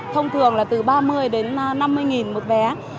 thông thường là từ ba mươi đến năm mươi nghìn một vé